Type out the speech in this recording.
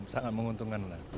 sangat menguntungkan lah